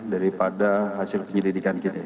daripada hasil penyelidikan kita